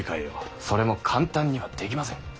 それも簡単にはできませぬ。